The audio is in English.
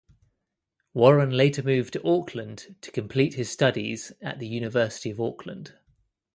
Warren later moved to Auckland to complete his studies at the University of Auckland.